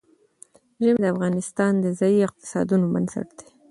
ژمی د افغانستان د ځایي اقتصادونو بنسټ دی.